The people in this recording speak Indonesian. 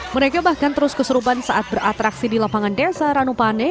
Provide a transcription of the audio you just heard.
mereka bahkan terus kesurupan saat beratraksi di lapangan desa ranupane